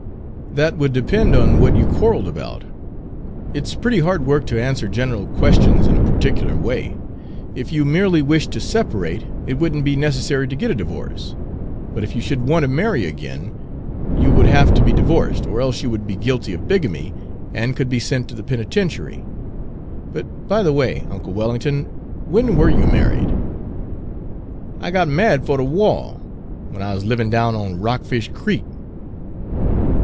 "That would depend on what you quarreled about. It's pretty hard work to answer general questions in a particular way. If you merely wished to separate, it would n't be necessary to get a divorce; but if you should want to marry again, you would have to be Page 218 divorced, or else you would be guilty of bigamy, and could be sent to the penitentiary. But, by the way, uncle Wellington, when were you married?" "I got married 'fo' de wah, when I was livin' down on Rockfish Creek."